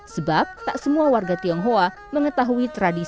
sebab tak semua warga tionghoa mengetahui tradisi